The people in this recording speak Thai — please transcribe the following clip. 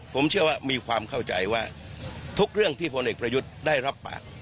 ผมเชื่อว่ามีความเข้าใจว่าทุกเรื่องที่พลเอกประยุทธ์ได้รับปาก